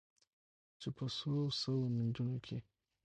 چې په څو سوو نجونو کې